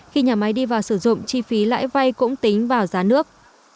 khi nhà máy đi vào sử dụng chi phí lãi vay cũng tính vào giá nước